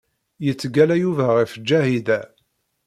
Yettgalla Yuba ɣef Ǧahida.